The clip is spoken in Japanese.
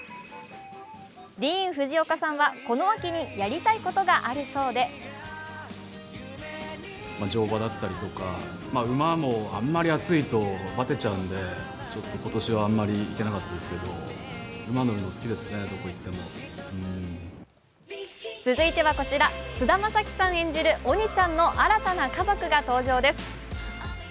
ディーン・フジオカさんはこの秋にやりたいことがあるそうで菅田将暉さん演じる鬼ちゃんの新たな家族が登場です。